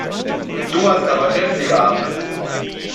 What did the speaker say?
Du hast aber kräftige Arme!